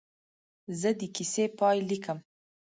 زه د کیسې پاې لیکم.